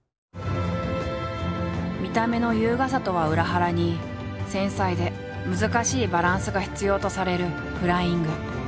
見た目の優雅さとは裏腹に繊細で難しいバランスが必要とされるフライング。